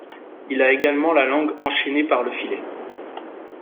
Il a également la langue enchaînée par le filet.